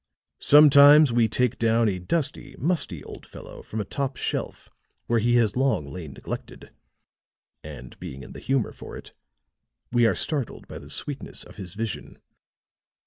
Sometimes we take down a dusty, musty old fellow from a top shelf where he has long lain neglected, and being in the humor for it, we are startled by the sweetness of his vision.